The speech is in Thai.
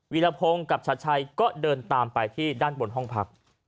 รพงศ์กับชัดชัยก็เดินตามไปที่ด้านบนห้องพัก